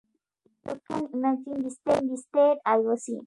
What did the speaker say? You can imagine the state I was in.